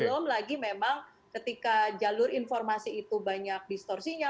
belum lagi memang ketika jalur informasi itu banyak distorsinya